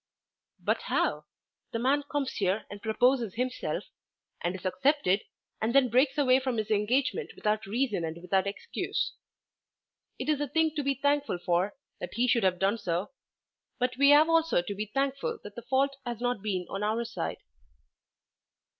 "But how? The man comes here and proposes himself; and is accepted, and then breaks away from his engagement without reason and without excuse. It is a thing to be thankful for, that he should have done so; but we have also to be thankful that the fault has not been on our side."